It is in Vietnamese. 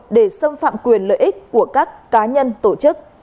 để xâm phạm quyền lợi ích của các cá nhân tổ chức